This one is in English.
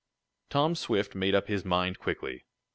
Tom Swift made up his mind quickly.